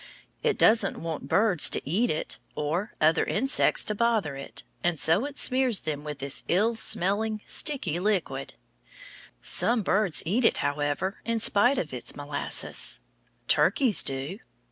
It doesn't want birds to eat it, or other insects to bother it, and so it smears them with this ill smelling, sticky liquid. Some birds eat it, however, in spite of its molasses. Turkeys do.